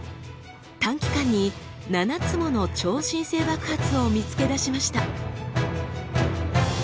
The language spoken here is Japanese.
短期間に７つもの超新星爆発を見つけ出しました。